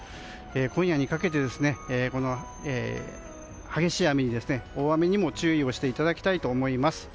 今夜にかけて激しい雨、大雨に注意をしていただきたいと思います。